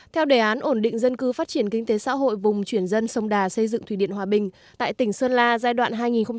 theo đề án ổn định dân cư phát triển kinh tế xã hội vùng chuyển dân sông đà xây dựng thủy điện hòa bình tại tỉnh sơn la giai đoạn hai nghìn một mươi sáu hai nghìn hai mươi